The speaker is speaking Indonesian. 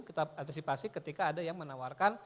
kita antisipasi ketika ada yang menawarkan